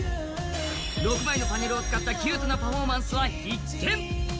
６枚のパネルを使ったキュートなパフォーマンスは必見。